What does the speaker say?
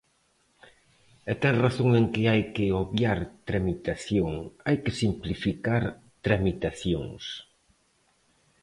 E ten razón en que hai que obviar tramitación, hai que simplificar tramitacións.